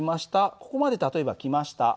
ここまで例えば来ました。